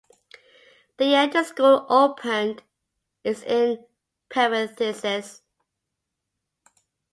The year the school opened is in parentheses.